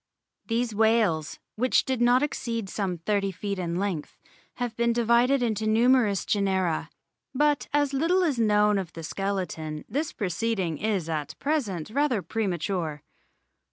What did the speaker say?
These whales, which did not exceed some thirty feet in length, have been divided into numerous genera ; but as little is known of the skeleton this proceeding is at present rather premature.